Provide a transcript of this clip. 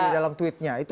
di dalam tweetnya itu